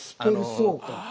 そうか。